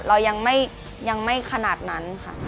เรายังไม่ขนาดนั้นค่ะ